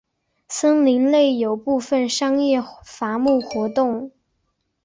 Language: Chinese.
森林内有部分商业伐木活动。